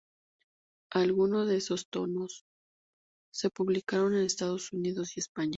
Algunos de esos tomos se publicaron en Estados Unidos y España.